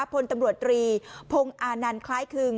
พลตำรวจตรีพงอานันต์คล้ายคึง